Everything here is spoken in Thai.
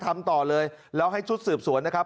ทำต่อเลยแล้วให้ชุดสืบสวนนะครับ